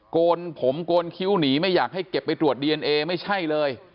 โกนผมโกนคิ้วหนีไม่อยากให้เก็บไปตรวจดีเอนเอไม่ใช่เลย